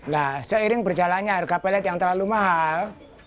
nah seiring berjalannya harga pellet yang terlalu mahal